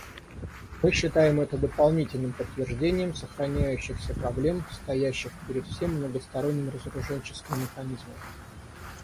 Мы считаем это дополнительным подтверждением сохраняющихся проблем, стоящих перед всем многосторонним разоруженческим механизмом.